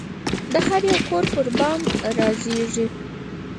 د هریو کور پربام رازیږې